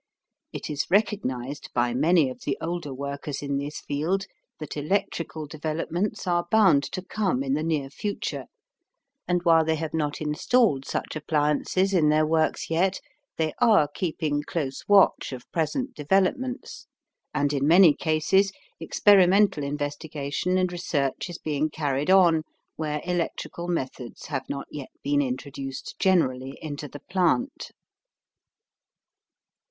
It is recognized by many of the older workers in this field that electrical developments are bound to come in the near future, and while they have not installed such appliances in their works yet they are keeping close watch of present developments, and in many cases experimental investigation and research is being carried on where electrical methods have not yet been introduced generally into the plant.